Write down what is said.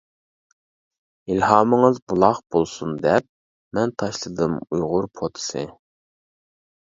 ئىلھامىڭىز بۇلاق بولسۇن دەپ، مەن تاشلىدىم ئۇيغۇر پوتىسى.